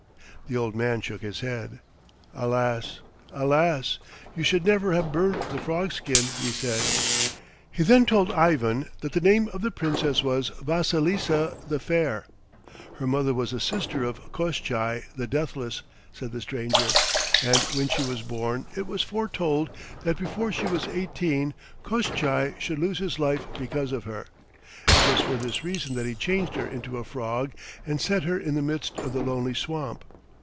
The old man shook his head. "Alas! alas! You should never have burned the frog skin!" he said. He then told Ivan that the name of the Princess was Vasilisa the Fair. "Her mother was the sister of Koshchei the Deathless," said the stranger, "and when she was born it was foretold that before she was eighteen Koshchei should lose his life because of her. It was for this reason that he changed her into a frog and set her in the midst of the lonely swamp.